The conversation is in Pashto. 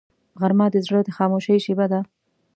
غرمه د زړه د خاموشۍ شیبه ده